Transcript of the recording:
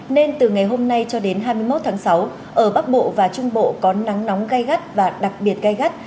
nên từ ngày hôm nay cho đến hai mươi một tháng sáu ở bắc bộ và trung bộ có nắng nóng gai gắt và đặc biệt gai gắt